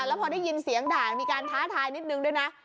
แล้วพอได้ยินเสียงด่างมีการท้าทายนิดนึงด้วยนะ